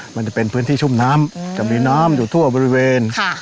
มันจะเป็นพื้นที่ชุ่มน้ำจะมีน้ำอยู่ทั่วบริเวณ